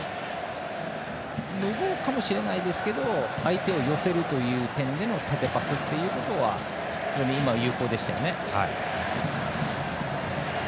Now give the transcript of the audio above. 無謀かもしれないですけど相手を寄せるという点での縦パスは今は有効でしたね。